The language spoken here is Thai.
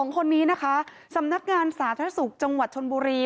๒คนนี้นะคะสำนักงานสาธารณสุขจังหวัดชนบุรี